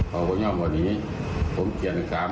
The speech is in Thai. พอคุณยอมวันนี้ผมเทียนอีก๓เทียนแล้ว